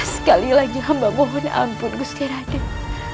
sekali lagi amba mohon ampun gusti raden